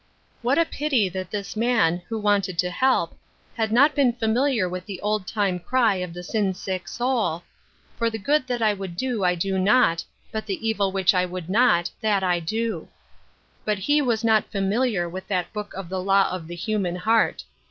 What a pity that this man, who wanted to help, had not been familiar with the old time cry of the sin sick soul, " For the good that I would I do not, but the evil which I would not that I do." But he was not familiar with that book of the law of the human heart.